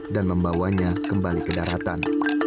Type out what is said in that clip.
dan membawanya kembali ke daratan